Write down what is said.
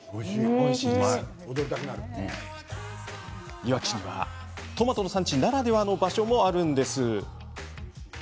いわきにはトマトの産地ならではの場所もあるんです。